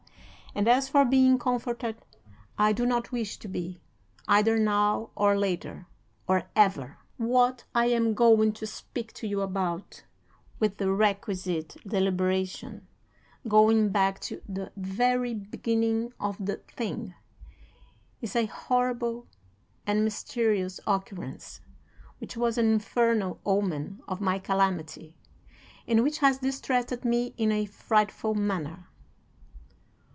And as for being comforted, I do not wish to be, either now, or later, or ever! What I am going to speak to you about, with the requisite deliberation, going back to the very beginning of the thing, is a horrible and mysterious occurrence, which was an infernal omen of my calamity, and which has distressed me in a frightful manner.'